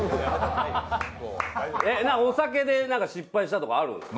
お酒で何か失敗したとかあるんですか？